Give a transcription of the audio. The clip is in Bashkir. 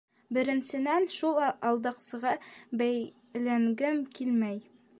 Беренсенән, шул алдаҡсыға бәйләнгем килмәй.